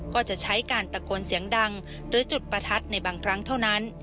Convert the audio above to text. ก็จะใช้การตะโกนเสียงดังหรือจุดประทัดในบางครั้งเท่านั้น